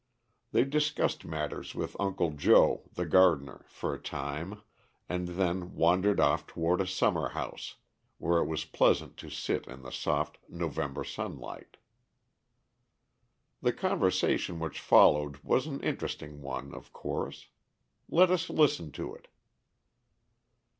They discussed matters with Uncle Joe, the gardener, for a time, and then wandered off toward a summer house, where it was pleasant to sit in the soft November sunlight. The conversation which followed was an interesting one, of course. Let us listen to it.